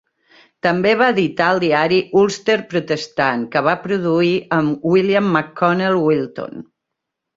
També va editar el diari "Ulster protestant", que va produir amb William McConnell Wilton.